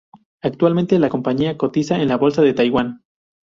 Actualmente, la compañía cotiza en la Bolsa de Taiwán.